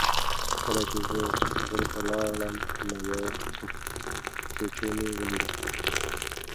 کله چې زه غره ته لاړم نو یوه کوچۍ مې ولیده.